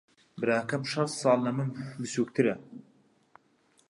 براکەم شەش ساڵ لە من بچووکترە.